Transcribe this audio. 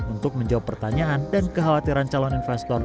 untuk menjawab pertanyaan dan kekhawatiran calon investor